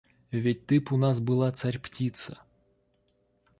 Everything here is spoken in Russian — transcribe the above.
Ведь ты б у нас была царь-птица!